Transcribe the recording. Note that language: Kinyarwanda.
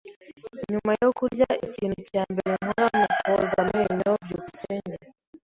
Nyuma yo kurya, ikintu cya mbere nkora nukwoza amenyo. byukusenge